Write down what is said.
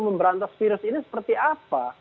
memberantas virus ini seperti apa